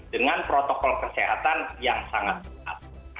dengan protokol kesehatan yang sangat ketat